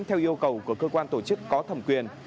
theo yêu cầu của cơ quan tổ chức có thẩm quyền